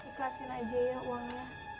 dikasihin aja ya uangnya